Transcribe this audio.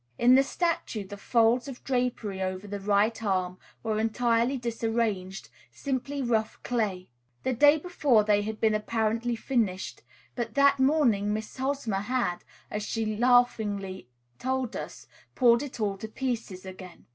In the statue the folds of drapery over the right arm were entirely disarranged, simply rough clay. The day before they had been apparently finished; but that morning Miss Hosmer had, as she laughingly told us, "pulled it all to pieces again."